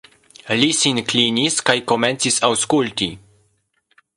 Li sin klinis kaj komencis aŭskulti.